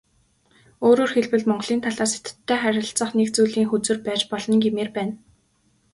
Өөрөөр хэлбэл, Монголын талаас Хятадтай харилцах нэг зүйлийн хөзөр байж болно гэмээр байна.